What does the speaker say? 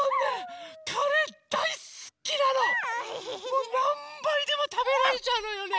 もうなんばいでもたべられちゃうのよね。